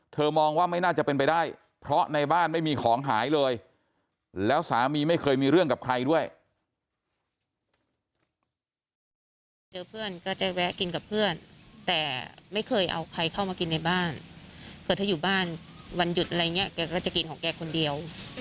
มองว่าไม่น่าจะเป็นไปได้เพราะในบ้านไม่มีของหายเลยแล้วสามีไม่เคยมีเรื่องกับใครด้วย